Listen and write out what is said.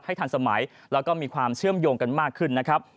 ทันสมัยแล้วก็มีความเชื่อมโยงกันมากขึ้นนะครับ